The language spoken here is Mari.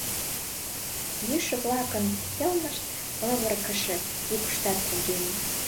Йӱшӧ-влакын йылмышт, лывыргыше йӱкыштат кугеме.